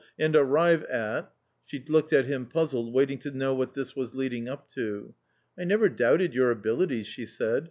and arrive at " She looked at him puzzled, waiting to know what this was leading up to. " I never doubted your abilities," she said.